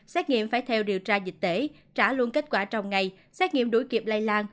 xét nghiệm phải theo điều tra dịch tễ trả luôn kết quả trong ngày xét nghiệm đuổi kịp lây lan